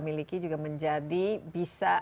miliki juga menjadi bisa